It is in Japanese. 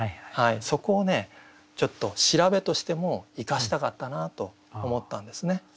そこをちょっと調べとしても生かしたかったなと思ったんですね。